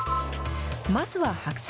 まずは白菜。